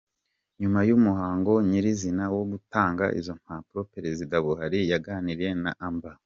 Nyuma y’umuhango nyir’izina wo gutanga izo mpapuro, Perezida Buhari yaganiriye na Amb.